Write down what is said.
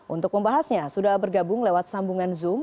untuk membahasnya sudah bergabung lewat sambungan zoom